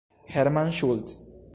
Hermann Schultz!